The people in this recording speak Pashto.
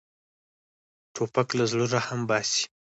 توپک له زړه رحم باسي.